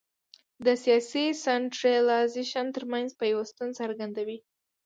د سیاسي سنټرالیزېشن ترمنځ پیوستون څرګندوي.